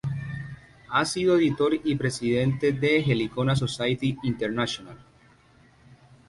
Ha sido editor y presidente de "Heliconia Society International".